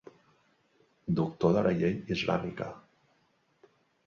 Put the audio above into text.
Doctor de la llei islàmica.